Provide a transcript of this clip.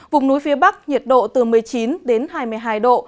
vùng núi phía bắc nhiệt độ từ một mươi chín đến hai mươi hai độ